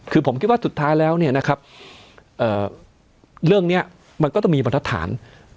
คือผมคิดว่าสุดท้ายแล้วเนี่ยนะครับเรื่องนี้มันก็ต้องมีบรรทัศน